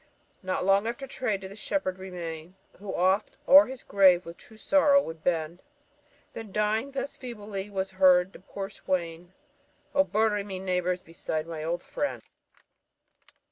Not long after Tray did the shepherd remain, Who oft o'er his grave with true sorrow would bend; And when dying, thus feebly was heard the poor swain, 'O bury me, neighbours, beside my old friend!'"